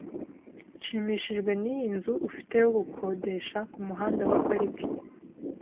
Nshimishijwe niyi nzu ufite yo gukodesha kumuhanda wa Park.